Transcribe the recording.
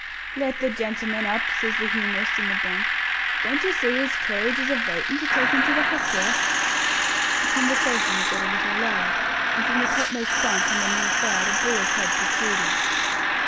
"Let the gentleman up," says the humorist in the bunk. "Don't yer see his kerridge is avaitin' to take him to the Hopera?" The conversation had got a little loud, and, from the topmost bunk on the near side, a bullet head protruded.